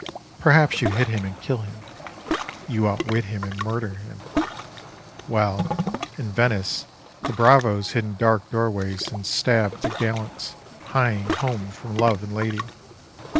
Perhaps you hit him and kill him. You outwit him and murder him. Well, in Venice the bravos hid in dark doorways and stabbed the gallants hieing home from love and lady.